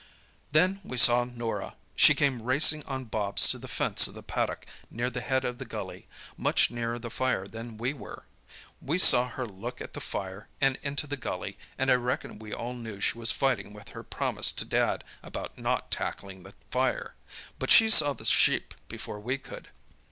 "Then we saw Norah. She came racing on Bobs to the fence of the paddock near the head of the gully—much nearer the fire than we were. We saw her look at the fire and into the gully, and I reckon we all knew she was fighting with her promise to Dad about not tackling the fire. But she saw the sheep before we could.